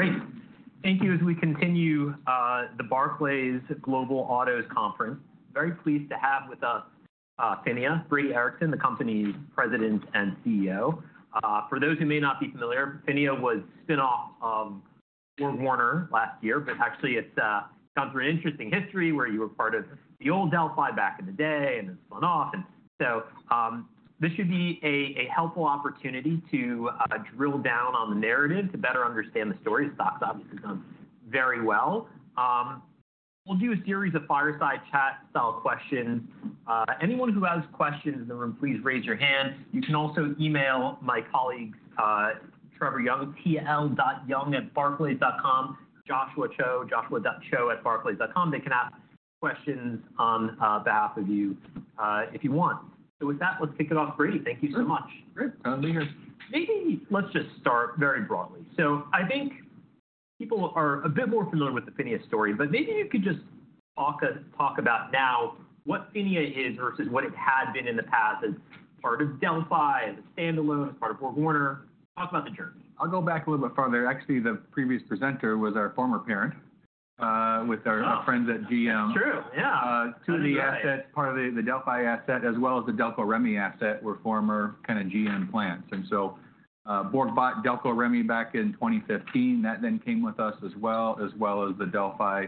Great. Thank you. As we continue the Barclays Global Autos Conference, very pleased to have with us PHINIA's Brady Ericson, the company's President and CEO. For those who may not be familiar, PHINIA was a spinoff of BorgWarner last year, but actually it's gone through an interesting history where you were part of the old Delphi back in the day and it's spun off. And so this should be a helpful opportunity to drill down on the narrative to better understand the story. Stock's obviously done very well. We'll do a series of fireside chat style questions. Anyone who has questions in the room, please raise your hand. You can also email my colleagues, Trevor Young, tl.young@barclays.com, Joshua Cho, joshua.cho@barclays.com. They can ask questions on behalf of you if you want. So with that, let's kick it off, Brady. Thank you so much. Great. Glad to be here. Maybe let's just start very broadly. So I think people are a bit more familiar with the PHINIA story, but maybe you could just talk about now what PHINIA is versus what it had been in the past as part of Delphi, as a standalone, as part of BorgWarner. Talk about the journey. I'll go back a little bit farther. Actually, the previous presenter was our former parent with our friends at GM. That's true. Yeah. Two of the assets, part of the Delphi asset as well as the Delco Remy asset, were former kind of GM plants. And so BorgWarner bought Delco Remy back in 2015. That then came with us as well, as well as the Delphi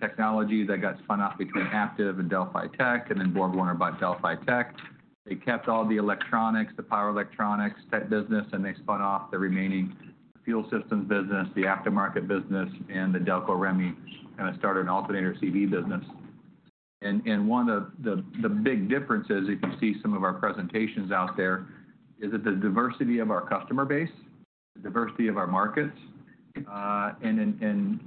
technology that got spun off between Aptiv and Delphi Tech, and then BorgWarner bought Delphi Tech. They kept all the electronics, the power electronics type business, and they spun off the remaining fuel systems business, the aftermarket business, and the Delco Remy kind of started an alternator CV business. And one of the big differences, if you see some of our presentations out there, is that the diversity of our customer base, the diversity of our markets, and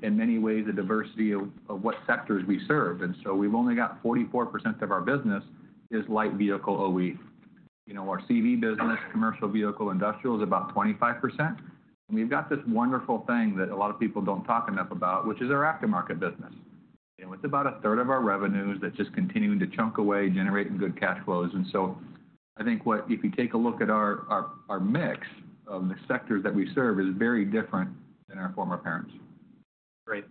in many ways the diversity of what sectors we serve. And so we've only got 44% of our business is light vehicle OE. Our CV business, commercial vehicle industrial, is about 25%. And we've got this wonderful thing that a lot of people don't talk enough about, which is our aftermarket business. And it's about a third of our revenues that just continue to chug away, generating good cash flows. And so I think if you take a look at our mix of the sectors that we serve is very different than our former parents. Great.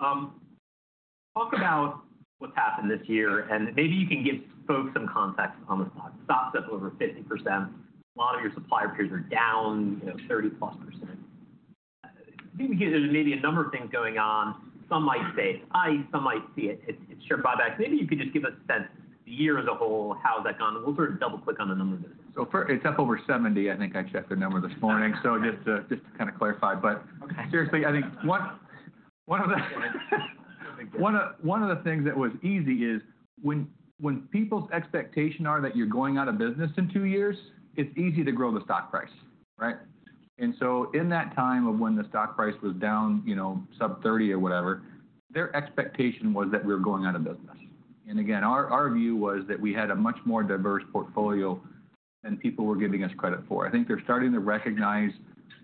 Talk about what's happened this year, and maybe you can give folks some context on the stock. Stock's up over 50%. A lot of your supplier peers are down 30% plus. I think we get maybe a number of things going on. Some might say it's high. Some might see it's share buyback. Maybe you could just give us a sense of the year as a whole. How's that gone? We'll sort of double click on the number of businesses. So it's up over 70. I think I checked the number this morning, so just to kind of clarify. But seriously, I think one of the things that was easy is when people's expectations are that you're going out of business in two years, it's easy to grow the stock price, right? And so in that time of when the stock price was down sub 30 or whatever, their expectation was that we were going out of business. And again, our view was that we had a much more diverse portfolio than people were giving us credit for. I think they're starting to recognize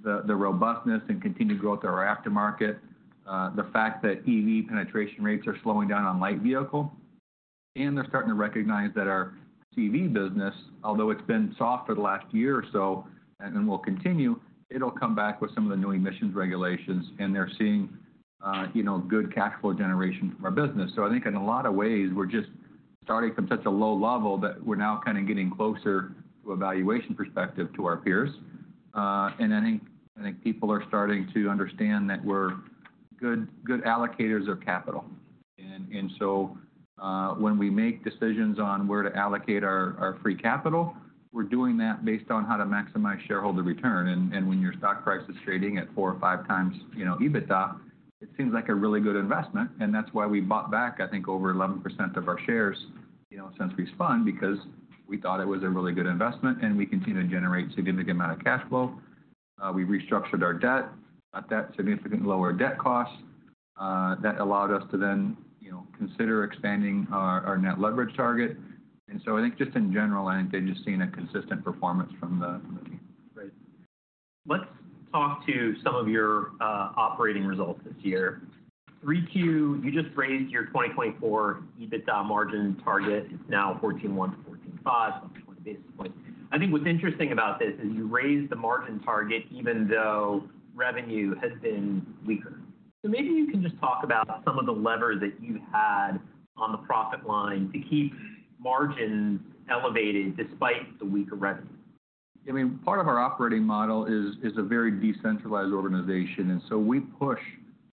the robustness and continued growth of our aftermarket, the fact that EV penetration rates are slowing down on light vehicle, and they're starting to recognize that our CV business, although it's been soft for the last year or so and will continue, it'll come back with some of the new emissions regulations, and they're seeing good cash flow generation for our business. So I think in a lot of ways, we're just starting from such a low level that we're now kind of getting closer from a valuation perspective to our peers. And I think people are starting to understand that we're good allocators of capital. And so when we make decisions on where to allocate our free capital, we're doing that based on how to maximize shareholder return. When your stock price is trading at four or five times EBITDA, it seems like a really good investment. That's why we bought back, I think, over 11% of our shares since we spun because we thought it was a really good investment, and we continue to generate a significant amount of cash flow. We restructured our debt at that significantly lower debt cost that allowed us to then consider expanding our net leverage target. So I think just in general, I think they've just seen a consistent performance from the team. Great. Let's talk to some of your operating results this year. 3Q, you just raised your 2024 EBITDA margin target. It's now 14.1%-14.5%, up 20 basis points. I think what's interesting about this is you raised the margin target even though revenue has been weaker. So maybe you can just talk about some of the levers that you had on the profit line to keep margins elevated despite the weaker revenue. I mean, part of our operating model is a very decentralized organization, and so we push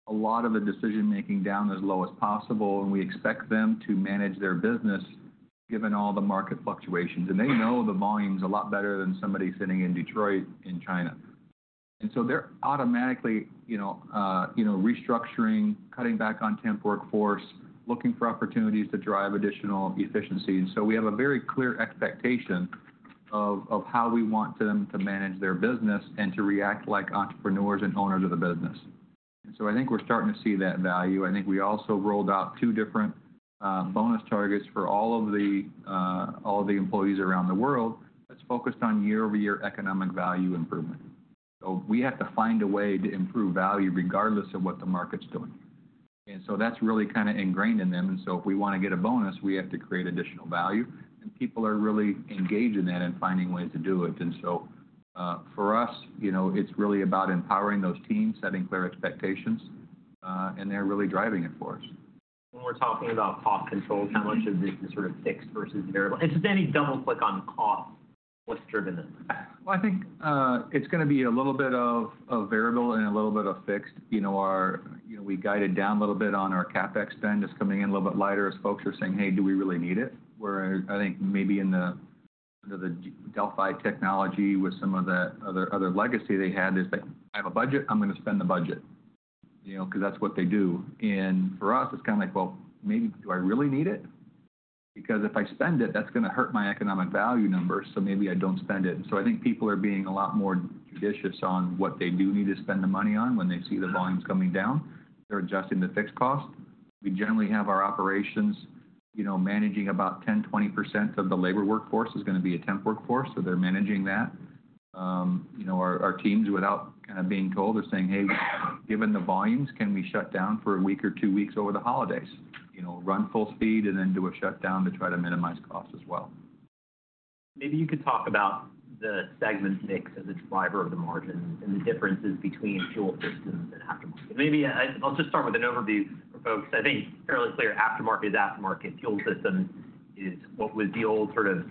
a lot of the decision making down as low as possible, and we expect them to manage their business given all the market fluctuations. And they know the volumes a lot better than somebody sitting in Detroit or in China, and so they're automatically restructuring, cutting back on temp workforce, looking for opportunities to drive additional efficiency. And so we have a very clear expectation of how we want them to manage their business and to react like entrepreneurs and owners of the business, and so I think we're starting to see that value. I think we also rolled out two different bonus targets for all of the employees around the world that's focused on year-over-year economic value improvement, so we have to find a way to improve value regardless of what the market's doing. That's really kind of ingrained in them. And so if we want to get a bonus, we have to create additional value. And people are really engaged in that and finding ways to do it. And so for us, it's really about empowering those teams, setting clear expectations, and they're really driving it for us. When we're talking about cost controls, how much of this is sort of fixed versus variable? And just any double click on cost, what's driven this? Well, I think it's going to be a little bit of variable and a little bit of fixed. We guided down a little bit on our CapEx spend, just coming in a little bit lighter as folks are saying, "Hey, do we really need it?" Where I think maybe in the Delphi technology with some of the other legacy they had is like, "I have a budget, I'm going to spend the budget," because that's what they do. And for us, it's kind of like, "Well, maybe do I really need it?" Because if I spend it, that's going to hurt my economic value numbers, so maybe I don't spend it. And so I think people are being a lot more judicious on what they do need to spend the money on when they see the volumes coming down. They're adjusting the fixed cost. We generally have our operations managing about 10%-20% of the labor workforce is going to be a temp workforce, so they're managing that. Our teams, without kind of being told, are saying, "Hey, given the volumes, can we shut down for a week or two weeks over the holidays? Run full speed and then do a shutdown to try to minimize costs as well. Maybe you could talk about the segment mix as a driver of the margins and the differences between fuel systems and aftermarket. Maybe I'll just start with an overview for folks. I think fairly clear aftermarket is aftermarket. Fuel systems is what was the old sort of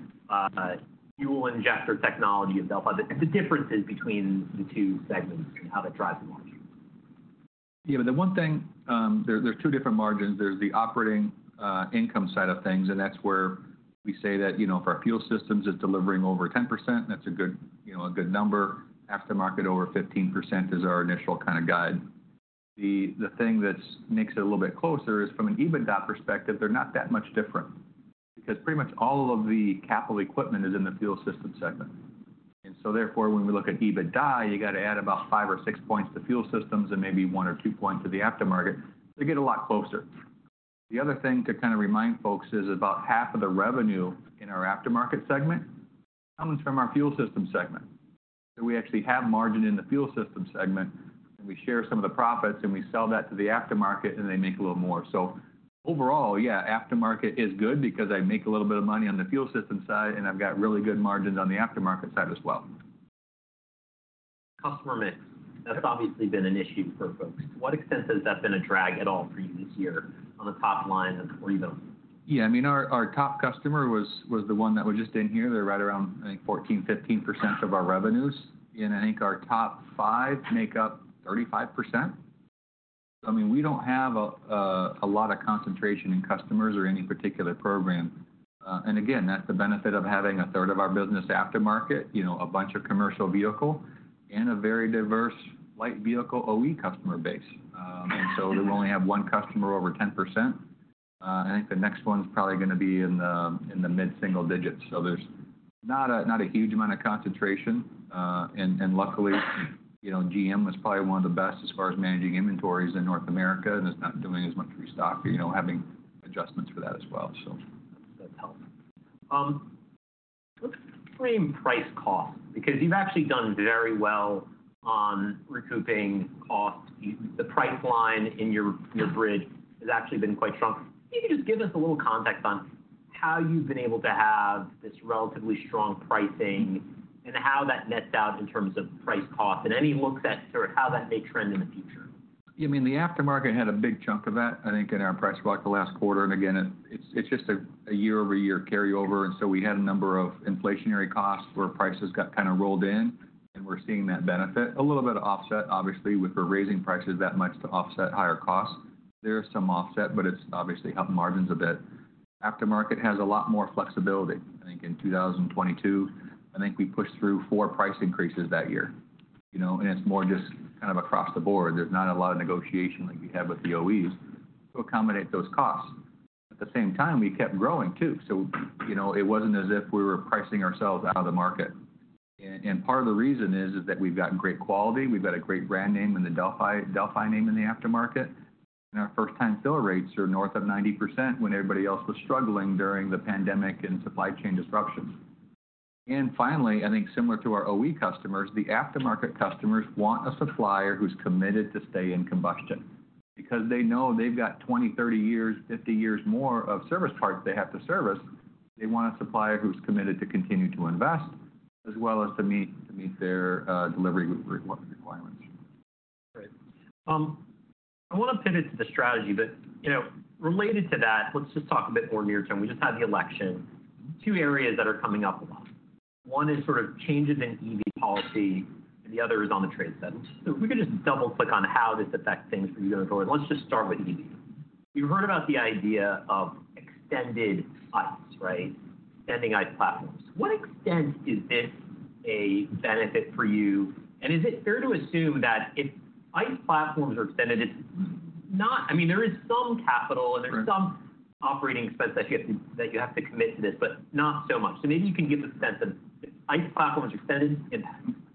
fuel injector technology of Delphi. The differences between the two segments and how that drives the margin. Yeah, but the one thing, there's two different margins. There's the operating income side of things, and that's where we say that for our fuel systems, it's delivering over 10%. That's a good number. Aftermarket over 15% is our initial kind of guide. The thing that makes it a little bit closer is from an EBITDA perspective, they're not that much different because pretty much all of the capital equipment is in the fuel system segment. And so therefore, when we look at EBITDA, you got to add about five or six points to fuel systems and maybe one or two points to the aftermarket. They get a lot closer. The other thing to kind of remind folks is about half of the revenue in our aftermarket segment comes from our fuel system segment. So we actually have margin in the fuel system segment, and we share some of the profits, and we sell that to the aftermarket, and they make a little more. So overall, yeah, aftermarket is good because I make a little bit of money on the fuel system side, and I've got really good margins on the aftermarket side as well. Customer mix. That's obviously been an issue for folks. To what extent has that been a drag at all for you this year on the top line of rebilling? Yeah, I mean, our top customer was the one that was just in here. They're right around, I think, 14%-15% of our revenues. And I think our top five make up 35%. I mean, we don't have a lot of concentration in customers or any particular program. And again, that's the benefit of having a third of our business aftermarket, a bunch of commercial vehicle, and a very diverse light vehicle OE customer base. And so we only have one customer over 10%. I think the next one's probably going to be in the mid-single digits. So there's not a huge amount of concentration. And luckily, GM is probably one of the best as far as managing inventories in North America and is not doing as much restocking, having adjustments for that as well, so. That's helpful. Let's frame price costs because you've actually done very well on recouping costs. The price line in your bridge has actually been quite strong. Maybe just give us a little context on how you've been able to have this relatively strong pricing and how that nets out in terms of price costs and any looks at sort of how that may trend in the future. Yeah, I mean, the aftermarket had a big chunk of that, I think, in our price block the last quarter. And again, it's just a year-over-year carryover. And so we had a number of inflationary costs where prices got kind of rolled in, and we're seeing that benefit. A little bit of offset, obviously, with we're raising prices that much to offset higher costs. There's some offset, but it's obviously helped margins a bit. Aftermarket has a lot more flexibility. I think in 2022, I think we pushed through four price increases that year. And it's more just kind of across the board. There's not a lot of negotiation like we had with the OEs to accommodate those costs. At the same time, we kept growing too. So it wasn't as if we were pricing ourselves out of the market. And part of the reason is that we've got great quality. We've got a great brand name in the Delphi name in the aftermarket. And our first-time fill rates are north of 90% when everybody else was struggling during the pandemic and supply chain disruptions. And finally, I think similar to our OE customers, the aftermarket customers want a supplier who's committed to stay in combustion because they know they've got 20, 30 years, 50 years more of service parts they have to service. They want a supplier who's committed to continue to invest as well as to meet their delivery requirements. Great. I want to pivot to the strategy, but related to that, let's just talk a bit more near term. We just had the election. Two areas that are coming up a lot. One is sort of changes in EV policy, and the other is on the trade settings. So if we could just double click on how this affects things for you going forward, let's just start with EV. You heard about the idea of extended ICE, right? Extending ICE platforms. To what extent is this a benefit for you? And is it fair to assume that if ICE platforms are extended, it's not - I mean, there is some capital and there's some operating expense that you have to commit to this, but not so much. So maybe you can give a sense of ICE platforms are extended.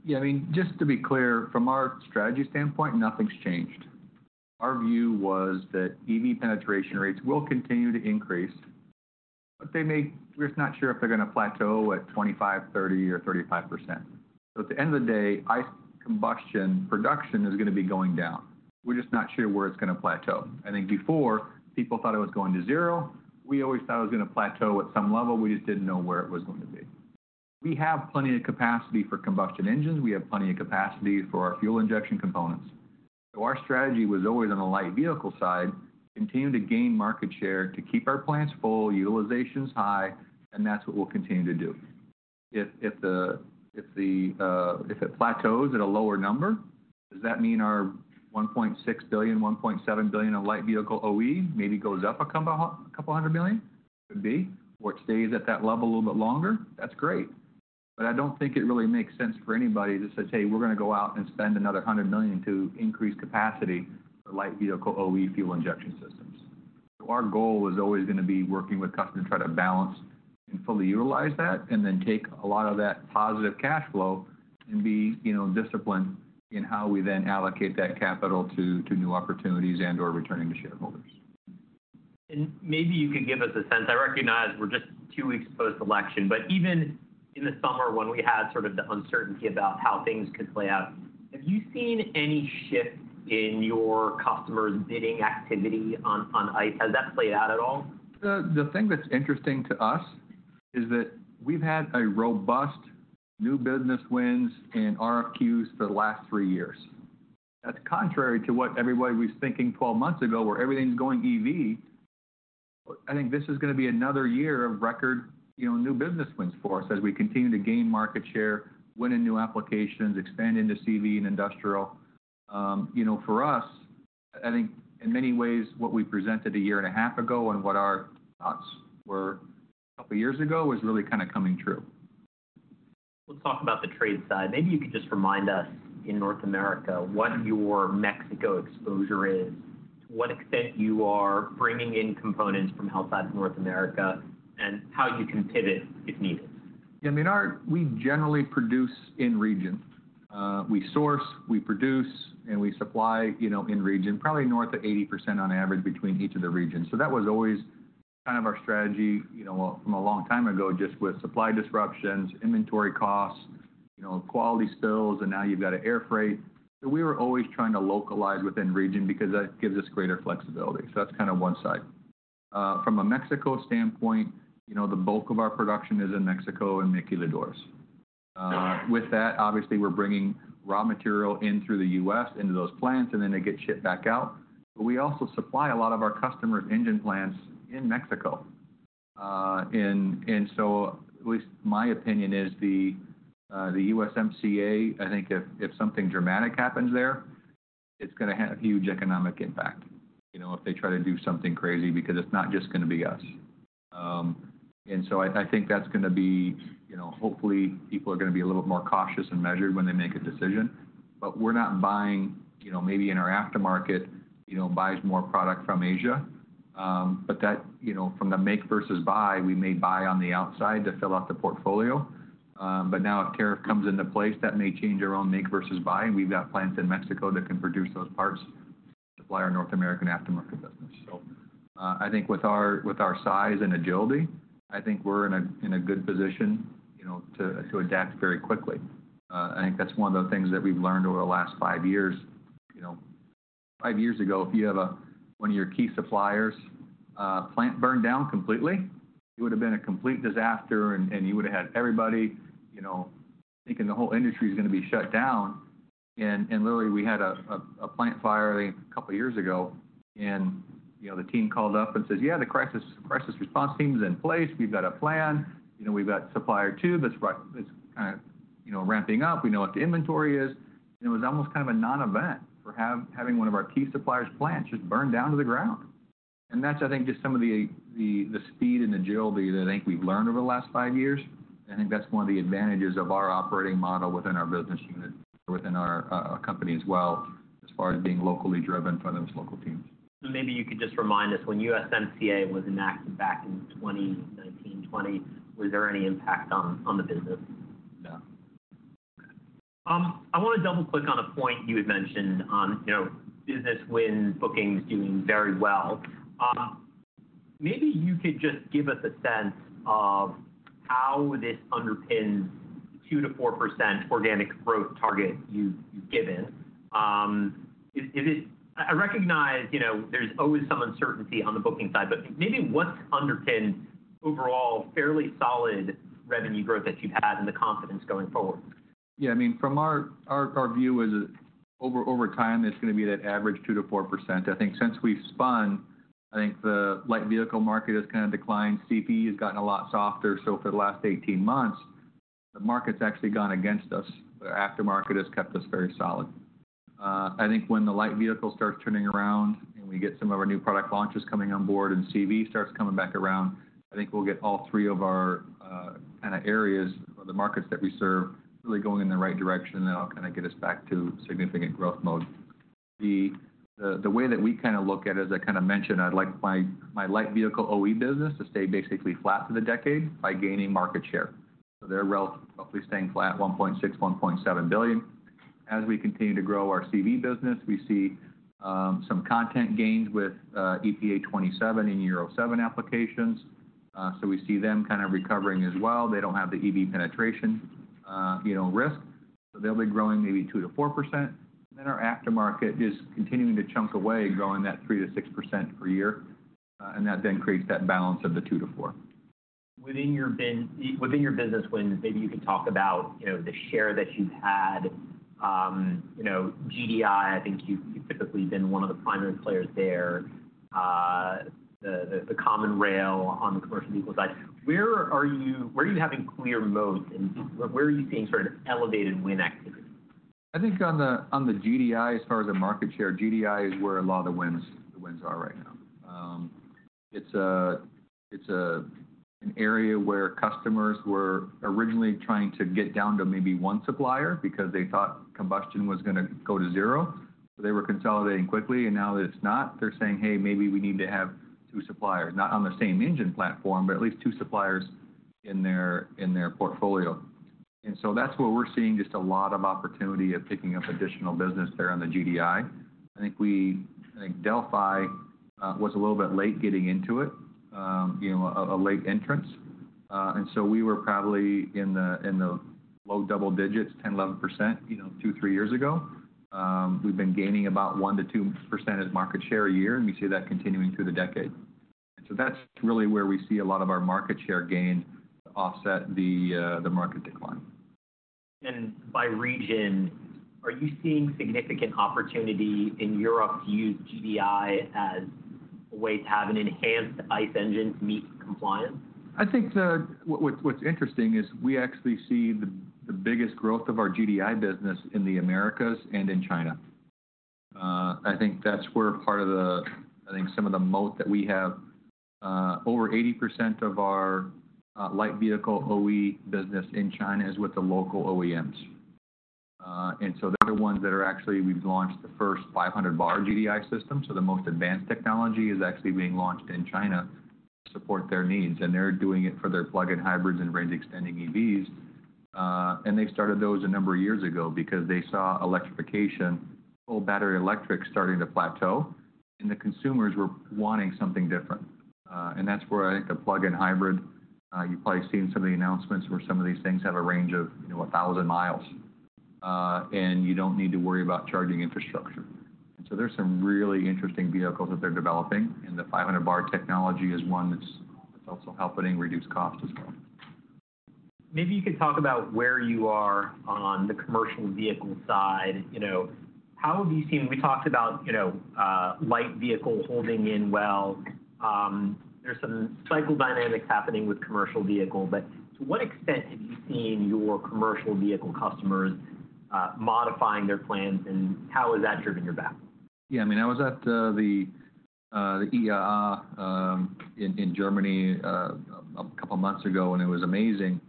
Yeah, I mean, just to be clear, from our strategy standpoint, nothing's changed. Our view was that EV penetration rates will continue to increase, but they may. We're just not sure if they're going to plateau at 25%, 30%, or 35%. So at the end of the day, ICE combustion production is going to be going down. We're just not sure where it's going to plateau. I think before people thought it was going to zero, we always thought it was going to plateau at some level. We just didn't know where it was going to be. We have plenty of capacity for combustion engines. We have plenty of capacity for our fuel injection components. So our strategy was always on the light vehicle side, continue to gain market share to keep our plants full, utilizations high, and that's what we'll continue to do. If it plateaus at a lower number, does that mean our $1.6 billion-$1.7 billion of light vehicle OE maybe goes up $200 million? Could be. Or it stays at that level a little bit longer? That's great. But I don't think it really makes sense for anybody to say, "Hey, we're going to go out and spend another $100 million to increase capacity for light vehicle OE fuel injection systems." So our goal is always going to be working with customers to try to balance and fully utilize that and then take a lot of that positive cash flow and be disciplined in how we then allocate that capital to new opportunities and/or returning to shareholders. Maybe you can give us a sense. I recognize we're just two weeks post-election, but even in the summer when we had sort of the uncertainty about how things could play out, have you seen any shift in your customers' bidding activity on ICE? Has that played out at all? The thing that's interesting to us is that we've had robust new business wins and RFQs for the last three years. That's contrary to what everybody was thinking 12 months ago where everything's going EV. I think this is going to be another year of record new business wins for us as we continue to gain market share, win in new applications, expand into CV and industrial. For us, I think in many ways what we presented a year and a half ago and what our thoughts were a couple of years ago was really kind of coming true. Let's talk about the trade side. Maybe you could just remind us in North America what your Mexico exposure is, to what extent you are bringing in components from outside of North America, and how you can pivot if needed? Yeah, I mean, we generally produce in region. We source, we produce, and we supply in region, probably north of 80% on average between each of the regions. So that was always kind of our strategy from a long time ago just with supply disruptions, inventory costs, quality spills, and now you've got to air freight. So we were always trying to localize within region because that gives us greater flexibility. So that's kind of one side. From a Mexico standpoint, the bulk of our production is in Mexico and maquiladoras. With that, obviously, we're bringing raw material in through the U.S. into those plants, and then they get shipped back out. But we also supply a lot of our customers' engine plants in Mexico. And so, at least my opinion is the USMCA. I think if something dramatic happens there, it's going to have a huge economic impact if they try to do something crazy because it's not just going to be us. And so I think that's going to be hopefully people are going to be a little bit more cautious and measured when they make a decision. But we're not buying maybe in our aftermarket buys more product from Asia. But from the make versus buy, we may buy on the outside to fill up the portfolio. But now if tariff comes into place, that may change our own make versus buy. And we've got plants in Mexico that can produce those parts to supply our North American aftermarket business. So I think with our size and agility, I think we're in a good position to adapt very quickly. I think that's one of the things that we've learned over the last five years. Five years ago, if you have one of your key suppliers' plant burned down completely, it would have been a complete disaster, and you would have had everybody thinking the whole industry is going to be shut down, and literally, we had a plant fire a couple of years ago, and the team called up and says, "Yeah, the crisis response team is in place. We've got a plan. We've got supplier two that's kind of ramping up. We know what the inventory is," and it was almost kind of a non-event for having one of our key suppliers' plants just burn down to the ground, and that's, I think, just some of the speed and agility that I think we've learned over the last five years. I think that's one of the advantages of our operating model within our business unit, within our company as well, as far as being locally driven for those local teams. Maybe you could just remind us when USMCA was enacted back in 2019, 2020. Was there any impact on the business? No. Okay. I want to double click on a point you had mentioned on business wind bookings doing very well. Maybe you could just give us a sense of how this underpins the 2%-4% organic growth target you've given. I recognize there's always some uncertainty on the booking side, but maybe what's underpinned overall fairly solid revenue growth that you've had and the confidence going forward? Yeah, I mean, from our view, over time, it's going to be that average 2%-4%. I think since we've spun, I think the light vehicle market has kind of declined. CV has gotten a lot softer. So for the last 18 months, the market's actually gone against us, but our aftermarket has kept us very solid. I think when the light vehicle starts turning around and we get some of our new product launches coming on board and CV starts coming back around, I think we'll get all three of our kind of areas or the markets that we serve really going in the right direction, and that'll kind of get us back to significant growth mode. The way that we kind of look at it, as I kind of mentioned, I'd like my light vehicle OE business to stay basically flat for the decade by gaining market share. So they're roughly staying flat, $1.6 billion-$1.7 billion. As we continue to grow our CV business, we see some content gains with EPA 27 and Euro 7 applications. So we see them kind of recovering as well. They don't have the EV penetration risk. So they'll be growing maybe 2%-4%. And then our aftermarket is continuing to chug away, growing that 3%-6% per year. And that then creates that balance of the 2%-4%. Within your business wins, maybe you could talk about the share that you've had, GDI. I think you've typically been one of the primary players there, the common rail on the commercial vehicle side. Where are you winning the most, and where are you seeing sort of elevated win activity? I think on the GDI, as far as the market share, GDI is where a lot of the wins are right now. It's an area where customers were originally trying to get down to maybe one supplier because they thought combustion was going to go to zero. They were consolidating quickly, and now that it's not, they're saying, "Hey, maybe we need to have two suppliers, not on the same engine platform, but at least two suppliers in their portfolio." And so that's where we're seeing just a lot of opportunity of picking up additional business there on the GDI. I think Delphi was a little bit late getting into it, a late entrance. And so we were probably in the low double digits, 10%, 11% two, three years ago. We've been gaining about 1%-2% as market share a year, and we see that continuing through the decade, and so that's really where we see a lot of our market share gain to offset the market decline. By region, are you seeing significant opportunity in Europe to use GDI as a way to have an enhanced ICE engine to meet compliance? I think what's interesting is we actually see the biggest growth of our GDI business in the Americas and in China. I think that's where part of the, I think some of the moat that we have over 80% of our light vehicle OE business in China is with the local OEMs, and so they're the ones that are actually we've launched the first 500 bar GDI system, so the most advanced technology is actually being launched in China to support their needs, and they're doing it for their plug-in hybrids and range-extending EVs, and they started those a number of years ago because they saw electrification, full battery electric starting to plateau, and the consumers were wanting something different. That's where I think the plug-in hybrid, you've probably seen some of the announcements where some of these things have a range of 1,000 miles, and you don't need to worry about charging infrastructure. So there's some really interesting vehicles that they're developing, and the 500 Bar technology is one that's also helping reduce costs as well. Maybe you could talk about where you are on the commercial vehicle side. How have you seen? We talked about light vehicle holding in well. There's some cycle dynamics happening with commercial vehicle, but to what extent have you seen your commercial vehicle customers modifying their plans, and how has that driven your backlog? Yeah, I mean, I was at the IAA in Germany a couple of months ago, and it was amazing.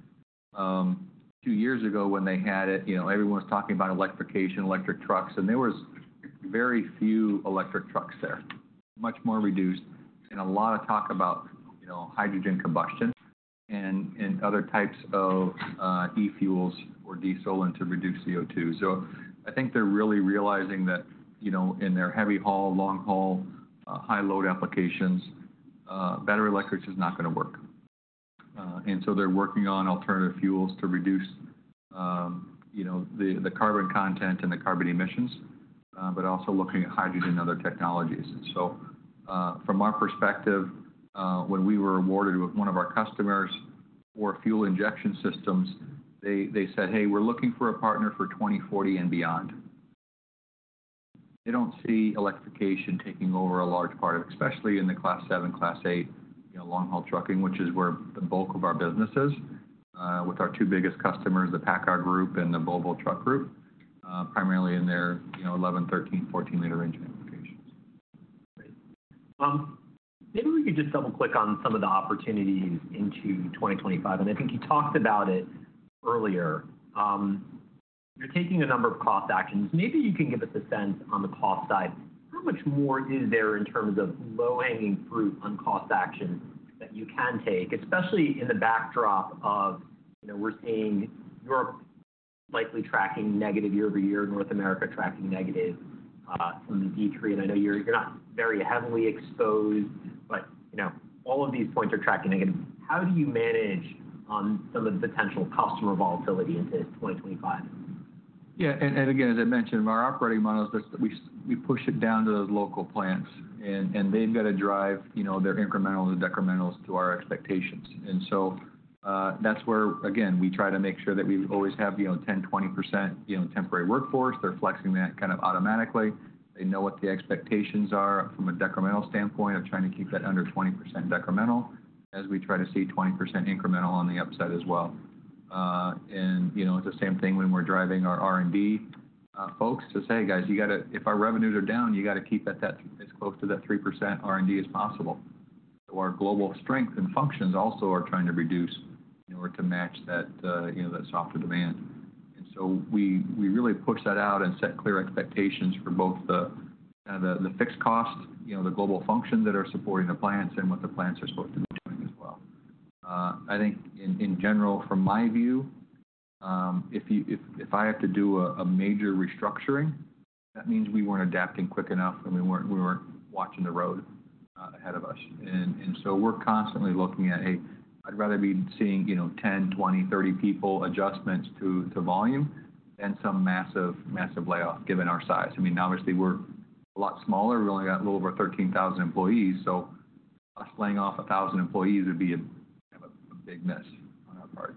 Two years ago when they had it, everyone was talking about electrification, electric trucks, and there were very few electric trucks there, much more reduced, and a lot of talk about hydrogen combustion and other types of e-fuels or diesel and to reduce CO2. So I think they're really realizing that in their heavy haul, long haul, high load applications, battery electric is not going to work. And so they're working on alternative fuels to reduce the carbon content and the carbon emissions, but also looking at hydrogen and other technologies. From our perspective, when we were awarded with one of our customers for fuel injection systems, they said, "Hey, we're looking for a partner for 2040 and beyond." They don't see electrification taking over a large part of, especially in the Class 7, Class 8, long haul trucking, which is where the bulk of our business is, with our two biggest customers, the PACCAR group and the Volvo Group, primarily in their 11, 13, 14 L engine applications. Great. Maybe we could just double click on some of the opportunities into 2025. And I think you talked about it earlier. You're taking a number of cost actions. Maybe you can give us a sense on the cost side. How much more is there in terms of low-hanging fruit on cost action that you can take, especially in the backdrop of we're seeing Europe likely tracking negative year over year, North America tracking negative from the D3? And I know you're not very heavily exposed, but all of these points are tracking negative. How do you manage some of the potential customer volatility into 2025? Yeah. And again, as I mentioned, our operating model is that we push it down to those local plants, and they've got to drive their incrementals and decrementals to our expectations. And so that's where, again, we try to make sure that we always have 10%-20% temporary workforce. They're flexing that kind of automatically. They know what the expectations are from a decremental standpoint of trying to keep that under 20% decremental as we try to see 20% incremental on the upside as well. And it's the same thing when we're driving our R&D folks to say, "Hey, guys, if our revenues are down, you got to keep it as close to that 3% R&D as possible." So our global strength and functions also are trying to reduce in order to match that softer demand. And so we really push that out and set clear expectations for both the fixed costs, the global functions that are supporting the plants, and what the plants are supposed to be doing as well. I think in general, from my view, if I have to do a major restructuring, that means we weren't adapting quick enough, and we weren't watching the road ahead of us. And so we're constantly looking at, "Hey, I'd rather be seeing 10, 20, 30 people adjustments to volume than some massive layoff given our size." I mean, obviously, we're a lot smaller. We've only got a little over 13,000 employees. So us laying off 1,000 employees would be a big mess on our part.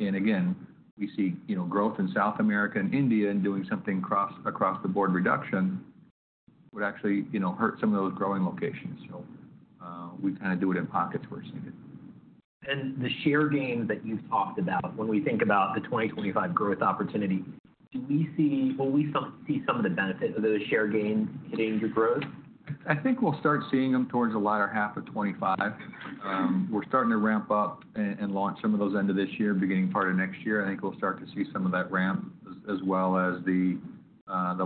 And again, we see growth in South America and India and doing something across the board reduction would actually hurt some of those growing locations. So we kind of do it in pockets where it's needed. The share gain that you've talked about, when we think about the 2025 growth opportunity, do we see some of the benefit of those share gains hitting your growth? I think we'll start seeing them towards the latter half of 2025. We're starting to ramp up and launch some of those end of this year, beginning part of next year. I think we'll start to see some of that ramp as well as the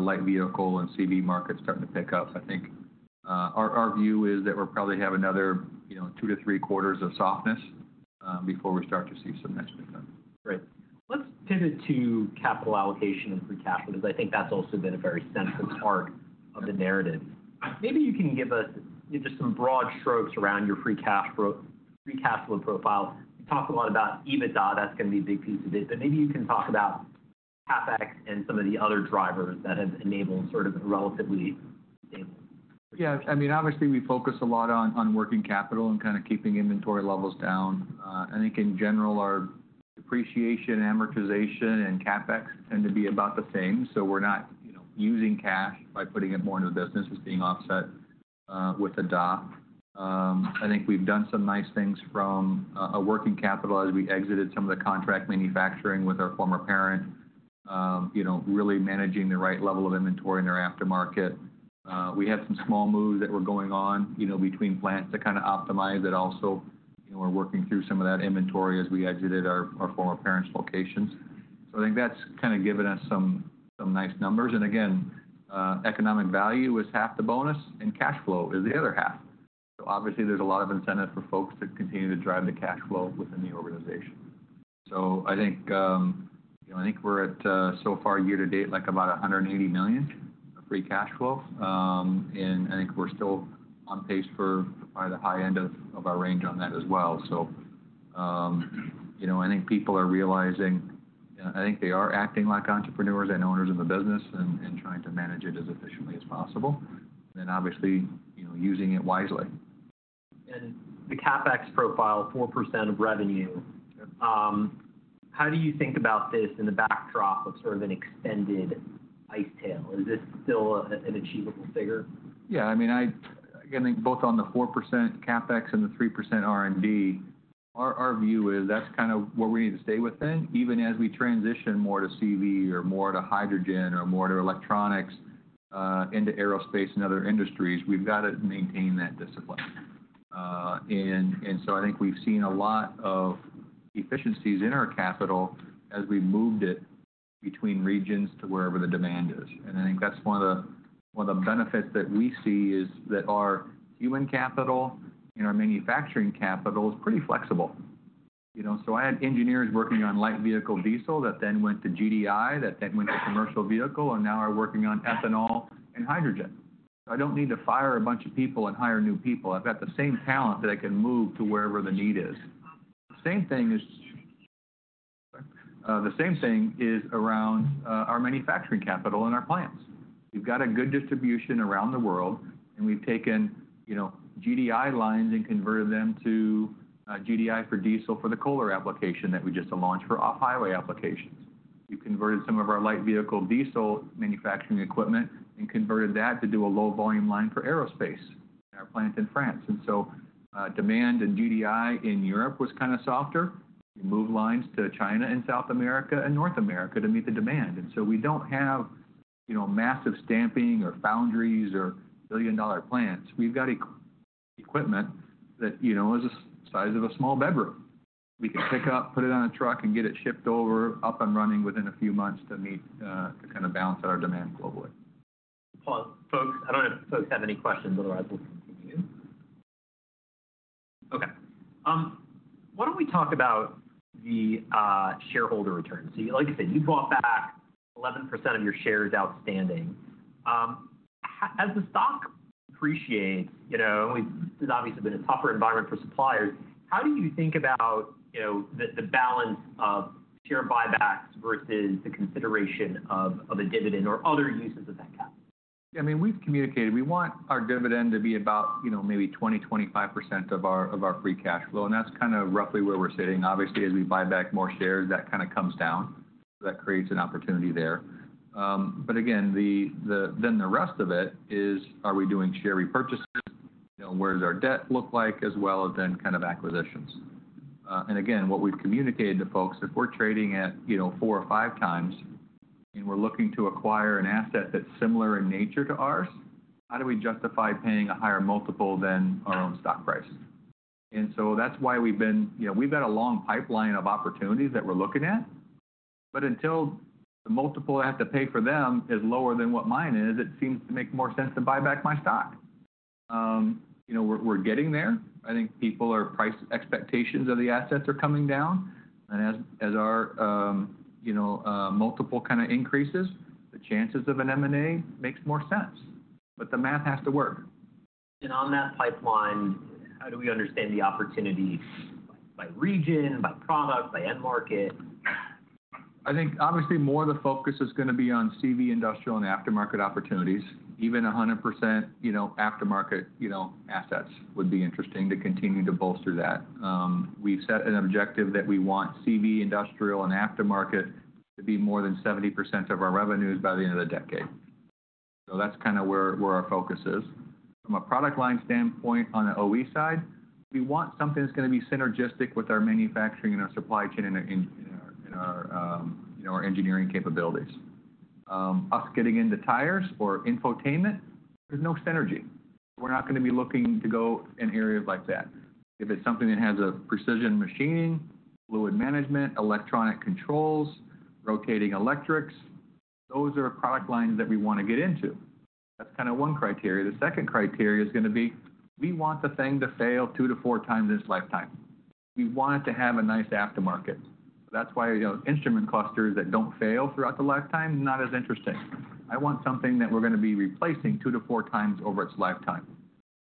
light vehicle and CV market starting to pick up. I think our view is that we'll probably have another two to three quarters of softness before we start to see some nice pickup. Great. Let's pivot to capital allocation and free cash flow because I think that's also been a very sensitive part of the narrative. Maybe you can give us just some broad strokes around your free cash flow profile. You talked a lot about EBITDA. That's going to be a big piece of it. But maybe you can talk about CapEx and some of the other drivers that have enabled sort of a relatively stable. Yeah. I mean, obviously, we focus a lot on working capital and kind of keeping inventory levels down. I think in general, our depreciation, amortization, and CapEx tend to be about the same. So we're not using cash by putting it more into the business. It's being offset with a D&A. I think we've done some nice things from a working capital as we exited some of the contract manufacturing with our former parent, really managing the right level of inventory in their aftermarket. We had some small moves that were going on between plants to kind of optimize it. Also, we're working through some of that inventory as we exited our former parent's locations. So I think that's kind of given us some nice numbers. And again, economic value is half the bonus, and cash flow is the other half. So obviously, there's a lot of incentive for folks to continue to drive the cash flow within the organization. So I think we're at so far year to date, like about $180 million of free cash flow. And I think we're still on pace for probably the high end of our range on that as well. So I think people are realizing I think they are acting like entrepreneurs and owners of the business and trying to manage it as efficiently as possible and then obviously using it wisely. The CapEx profile, 4% of revenue, how do you think about this in the backdrop of sort of an extended ICE tail? Is this still an achievable figure? Yeah. I mean, I think both on the 4% CapEx and the 3% R&D, our view is that's kind of where we need to stay within. Even as we transition more to CV or more to hydrogen or more to electronics into aerospace and other industries, we've got to maintain that discipline. And so I think we've seen a lot of efficiencies in our capital as we moved it between regions to wherever the demand is. And I think that's one of the benefits that we see is that our human capital and our manufacturing capital is pretty flexible. So I had engineers working on light vehicle diesel that then went to GDI, that then went to commercial vehicle, and now are working on ethanol and hydrogen. So I don't need to fire a bunch of people and hire new people. I've got the same talent that I can move to wherever the need is. The same thing is around our manufacturing capital and our plants. We've got a good distribution around the world, and we've taken GDI lines and converted them to GDI for diesel for the KOEL application that we just launched for off-highway applications. We converted some of our light vehicle diesel manufacturing equipment and converted that to do a low-volume line for aerospace at our plant in France. And so demand and GDI in Europe was kind of softer. We moved lines to China and South America and North America to meet the demand. And so we don't have massive stamping or foundries or billion-dollar plants. We've got equipment that is the size of a small bedroom. We can pick up, put it on a truck, and get it shipped over, up and running within a few months to kind of balance our demand globally. Paul, folks, I don't know if folks have any questions, otherwise we'll continue. Okay. Why don't we talk about the shareholder return? So like I said, you bought back 11% of your shares outstanding. As the stock appreciates, this has obviously been a tougher environment for suppliers. How do you think about the balance of share buybacks versus the consideration of a dividend or other uses of that capital? Yeah. I mean, we've communicated we want our dividend to be about maybe 20%-25% of our free cash flow. And that's kind of roughly where we're sitting. Obviously, as we buy back more shares, that kind of comes down. That creates an opportunity there. But again, then the rest of it is, are we doing share repurchases? Where does our debt look like as well as then kind of acquisitions? And again, what we've communicated to folks, if we're trading at four or five times and we're looking to acquire an asset that's similar in nature to ours, how do we justify paying a higher multiple than our own stock price? And so that's why we've got a long pipeline of opportunities that we're looking at. But until the multiple I have to pay for them is lower than what mine is, it seems to make more sense to buy back my stock. We're getting there. I think people's price expectations of the assets are coming down. And as our multiple kind of increases, the chances of an M&A makes more sense. But the math has to work. On that pipeline, how do we understand the opportunities by region, by product, by end market? I think obviously more of the focus is going to be on CV, industrial, and aftermarket opportunities. Even 100% aftermarket assets would be interesting to continue to bolster that. We've set an objective that we want CV, industrial, and aftermarket to be more than 70% of our revenues by the end of the decade. So that's kind of where our focus is. From a product line standpoint on the OE side, we want something that's going to be synergistic with our manufacturing and our supply chain and our engineering capabilities. Us getting into tires or infotainment, there's no synergy. We're not going to be looking to go in areas like that. If it's something that has precision machining, fluid management, electronic controls, rotating electrics, those are product lines that we want to get into. That's kind of one criteria. The second criterion is going to be we want the thing to fail two to four times in its lifetime. We want it to have a nice aftermarket. That's why instrument clusters that don't fail throughout the lifetime are not as interesting. I want something that we're going to be replacing two to four times over its lifetime,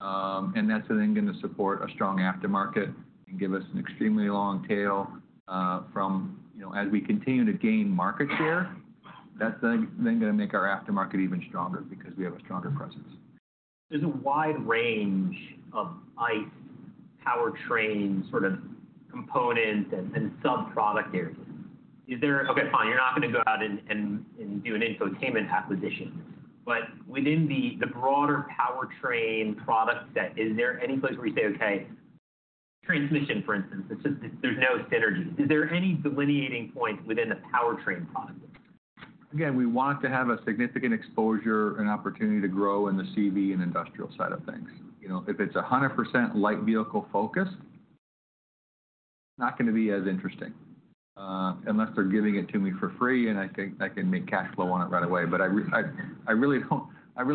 and that's then going to support a strong aftermarket and give us an extremely long tail from as we continue to gain market share. That's then going to make our aftermarket even stronger because we have a stronger presence. There's a wide range of ICE powertrain sort of component and subproduct areas. Okay. Fine. You're not going to go out and do an infotainment acquisition. But within the broader powertrain product set, is there any place where you say, "Okay. Transmission, for instance, there's no synergy." Is there any delineating point within the powertrain product? Again, we want to have a significant exposure and opportunity to grow in the CV and industrial side of things. If it's 100% light vehicle focus, not going to be as interesting unless they're giving it to me for free and I can make cash flow on it right away. But I really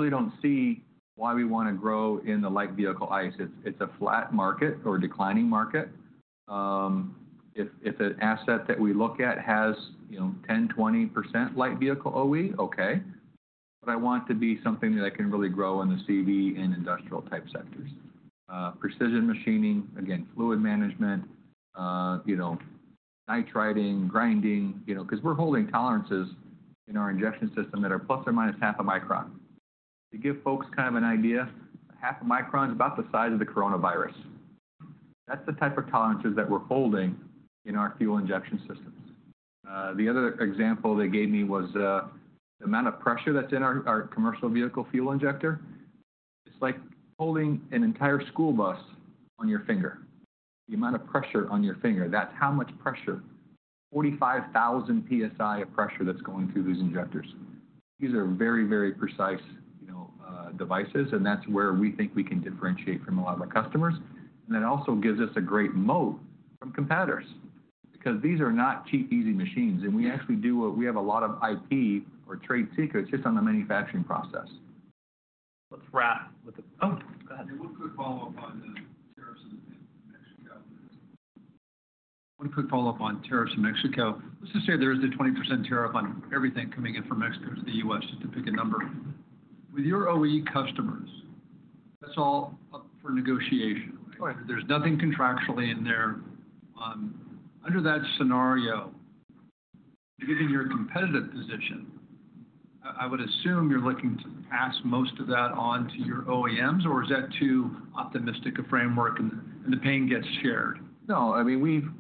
don't see why we want to grow in the light vehicle ICE. It's a flat market or declining market. If an asset that we look at has 10%-20% light vehicle OE, okay. But I want to be something that I can really grow in the CV and industrial type sectors. Precision machining, again, fluid management, nitriding, grinding, because we're holding tolerances in our injection system that are plus or minus half a micron. To give folks kind of an idea, half a micron is about the size of the coronavirus. That's the type of tolerances that we're holding in our fuel injection systems. The other example they gave me was the amount of pressure that's in our commercial vehicle fuel injector. It's like holding an entire school bus on your finger. The amount of pressure on your finger, that's how much pressure, 45,000 PSI of pressure that's going through these injectors. These are very, very precise devices, and that's where we think we can differentiate from a lot of our customers. And it also gives us a great moat from competitors because these are not cheap, easy machines. And we actually do have a lot of IP or trade secrets just on the manufacturing process. Let's wrap with the, oh, go ahead. One quick follow-up on the tariffs in Mexico. One quick follow-up on tariffs in Mexico. Let's just say there is a 20% tariff on everything coming in from Mexico to the U.S., just to pick a number. With your OE customers, that's all up for negotiation. There's nothing contractually in there. Under that scenario, given your competitive position, I would assume you're looking to pass most of that on to your OEMs, or is that too optimistic a framework and the pain gets shared? No. I mean,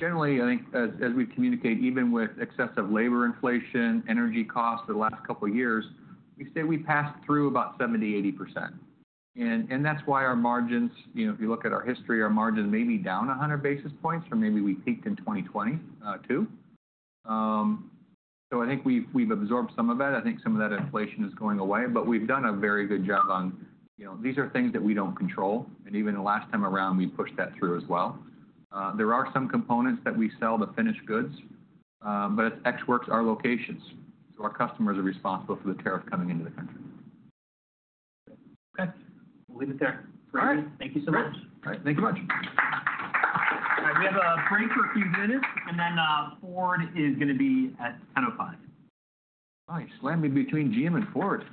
generally, I think as we communicate, even with excessive labor inflation, energy costs the last couple of years, we say we passed through about 70-80%. That's why our margins, if you look at our history, our margins may be down 100 basis points or maybe we peaked in 2022, so I think we've absorbed some of that. I think some of that inflation is going away, but we've done a very good job on these are things that we don't control. Even the last time around, we pushed that through as well. There are some components that we sell to finished goods, but it's Ex Works, our locations, so our customers are responsible for the tariff coming into the country. Okay. We'll leave it there. Thank you so much. All right. Thank you much. All right. We have a break for a few minutes, and then Ford is going to be at 10:05 A.M. Nice. Land me between GM and Ford.